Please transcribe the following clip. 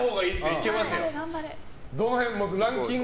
いけますよ。